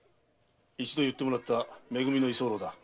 一度結ってもらっため組の居候だ。